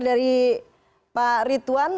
dari pak rituan